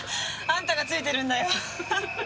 あんたがついてるんだよ。